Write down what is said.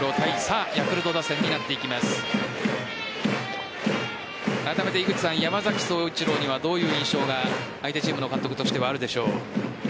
あらためて山崎颯一郎にはどういう印象が相手チームの監督としてはあるでしょう？